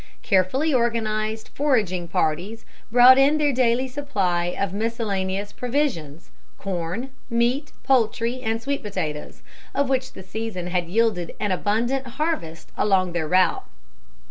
Carefully organized foraging parties brought in their daily supply of miscellaneous provisions corn, meat, poultry, and sweet potatoes, of which the season had yielded an abundant harvest along their route.